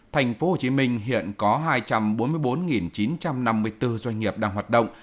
tp hcm hiện có hai trăm bốn mươi bốn chín trăm năm mươi bốn doanh nghiệp đang hoạt động